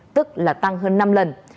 tức là tăng hơn năm lần